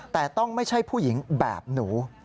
แต่ต้องไม่ใช่ผู้หญิงแบบหนู